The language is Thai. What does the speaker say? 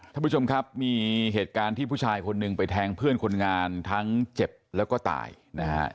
ท่านผู้ชมครับมีเหตุการณ์ที่ผู้ชายคนหนึ่งไปแทงเพื่อนคนงานทั้งเจ็บแล้วก็ตายนะฮะ